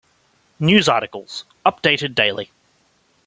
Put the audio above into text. News articles, updated daily.